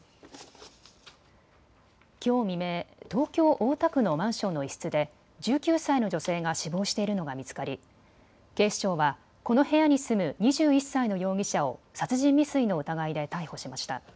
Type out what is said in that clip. きょう未明、東京大田区のマンションの一室で１９歳の女性が死亡しているのが見つかり警視庁はこの部屋に住む２１歳の容疑者を殺人未遂の疑いで逮捕しました。